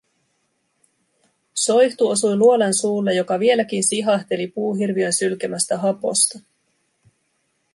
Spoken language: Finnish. Soihtu osui luolan suulle, joka vieläkin sihahteli puuhirviön sylkemästä haposta.